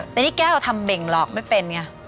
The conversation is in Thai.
แต่นี่แก้วทำเบ่งหลอกไม่เป็นไง